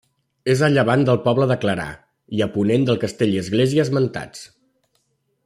És a llevant del poble de Clarà i a ponent del castell i església esmentats.